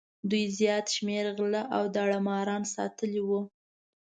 دوی زیات شمېر غله او داړه ماران ساتلي وو.